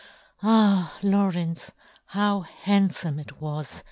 Ah, Law " rence, how handfome it was